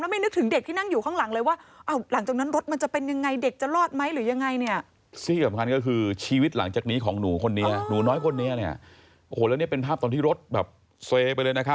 แล้วไม่นึกถึงเด็กที่นั่งอยู่ข้างหลังเลยว่า